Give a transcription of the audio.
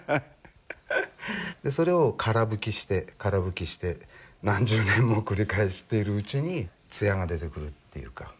それをから拭きしてから拭きして何十年も繰り返しているうちに艶が出てくるっていうか。